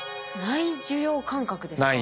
内受容感覚ですか？